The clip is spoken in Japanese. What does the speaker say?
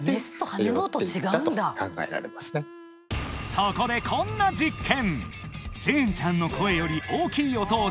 そこでこんな実験！